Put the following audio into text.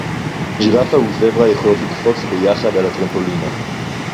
גֵּ'רְפָה וְזֶבְּרָה יְכוֹלוֹת לִקְפֹּץ בְּיַחַד עַל הַטְּרַמְפּוֹלִינָה